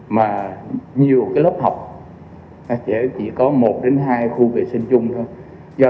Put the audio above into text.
mà nhiều lớp học chỉ có một hai khu vệ sinh chung thôi